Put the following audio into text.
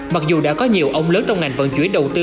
mặc dù đã có nhiều ông lớn trong ngành vận chuyển đầu tư